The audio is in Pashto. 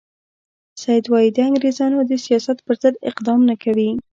سید وایي د انګریزانو د سیاست پر ضد اقدام نه کوي.